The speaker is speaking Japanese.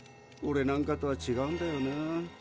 オレなんかとはちがうんだよな。